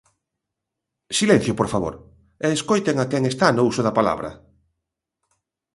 ¡Silencio, por favor!, e escoiten a quen está no uso da palabra.